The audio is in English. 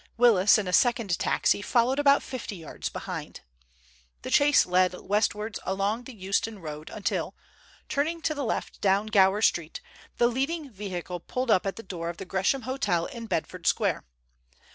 Willis, in a second taxi, followed about fifty yards behind. The chase led westwards along the Euston Road until, turning to the left down Gower Street, the leading vehicle pulled up at the door of the Gresham Hotel in Bedford Square.